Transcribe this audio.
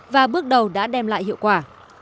và bước đầu đã đem lại hiệu quả